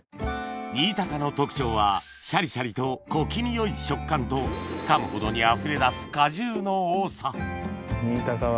新高の特徴はシャリシャリと小気味よい食感とかむほどに溢れ出す果汁の多さ新高は。